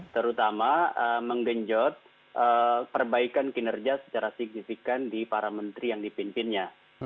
terutama menggenjot perbaikan kinerja secara signifikan di para menteri yang dipimpinnya